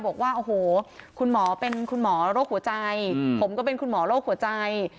บอกว่าโอ้โหคุณหมอเป็นคุณหมอโรคหัวใจผมก็เป็นคุณหมอโรคหัวใจ